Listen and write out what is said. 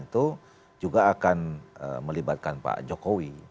itu juga akan melibatkan pak jokowi